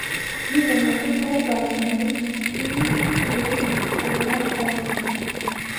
یہ جماعتیں کب قائم ہوئیں، ان کے سربراہ کون ہیں۔